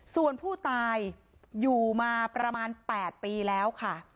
ส่วนผู้ตายอยู่มาประมาณ๘ปีแล้วค่ะ